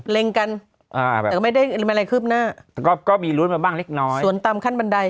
เล็งกันแต่ไม่ได้เคลือบหน้าก็มีลุ้นมาบ้างนิดน้อยส่วนต่ำขั้นบันได